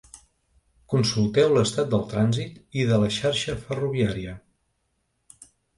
Consulteu l’estat del trànsit i de la xarxa ferroviària.